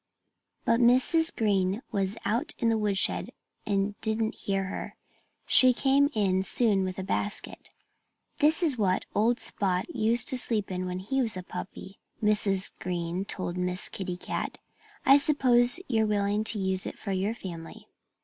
But Mrs. Green was out in the woodshed and didn't hear her. She came in soon with a basket. "This is what old Spot used to sleep in when he was a puppy," Mrs. Green told Miss Kitty Cat. "I suppose you're willing to use it for your family."